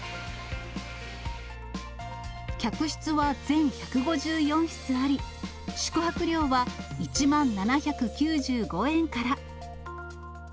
客室は全１５４室あり、宿泊料は１万７９５円から。